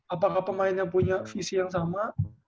apakah pemainnya punya visi yang sama